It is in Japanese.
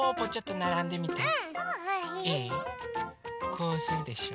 こうするでしょ。